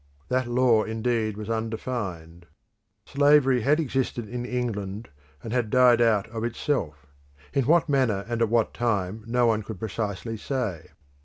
That law, indeed, was undefined. Slavery had existed in England and had died out of itself, in what manner and at what time no one could precisely say.